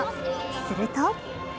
すると。